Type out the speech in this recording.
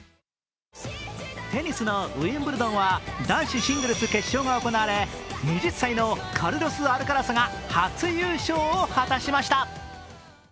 テニスのウィンブルドンは男子シングルス決勝が行われ２０歳のカルロス・アルカラスが初優勝を果たしました。